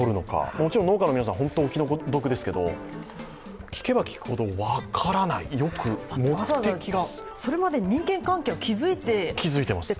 もちろん農家の皆さん、本当にお気の毒ですけど、聞けば聞くほど分からない、目的がそれまでに人間関係を築いてからということですよね。